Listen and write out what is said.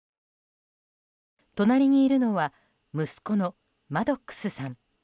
隣にいるのは息子のマドックスさん。